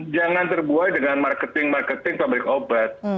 jangan terbuai dengan marketing marketing pabrik obat